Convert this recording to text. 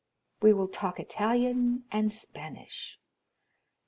We will talk Italian and Spanish.